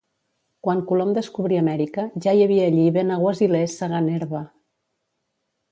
Quan Colom descobrí Amèrica, ja hi havia allí benaguasilers segant herba.